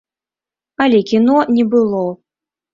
Але кіно не было.